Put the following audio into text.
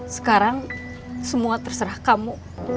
sekarang semua terserah kamu